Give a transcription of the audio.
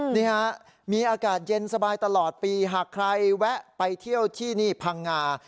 นี่ฮะมีอากาศเย็นสบายตลอดปีหากใครแวะไปเที่ยวที่นี่พังงา